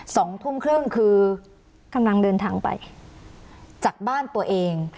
สองทุ่มครึ่งคือกำลังเดินทางไปจากบ้านตัวเอง